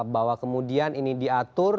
bahwa kemudian ini diatur